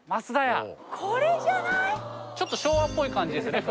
ちょっと昭和っぽい感じですよね